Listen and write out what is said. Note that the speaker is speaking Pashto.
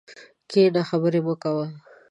کښېنه خبري مه کوه!